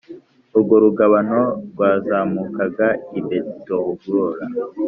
Urwo rugabano rwazamukaga i Betihogula